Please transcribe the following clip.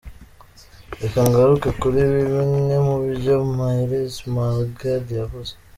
Reka ngaruke kuri bimwe mu byo Myr Smaragde yavuze.